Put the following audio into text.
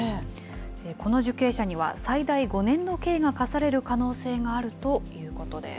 この受刑者には、最大５年の刑が科される可能性があるということです。